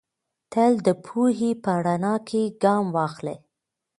تل د پوهې په رڼا کې ګام واخلئ.